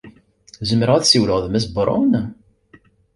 Zemreɣ ad ssiwleɣ ed Mass Brown?